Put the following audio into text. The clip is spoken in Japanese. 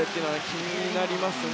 気になりますね。